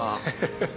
ハハハ。